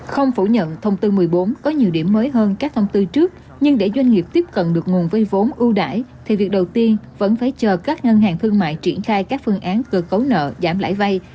không phủ nhận thông tư một mươi bốn có nhiều điểm mới hơn các thông tư trước nhưng để doanh nghiệp tiếp cận được nguồn vây vốn ưu đại thì việc đầu tiên vẫn phải chờ các ngân hàng thương mại triển khai các phương án cơ cấu nợ giảm lãi vay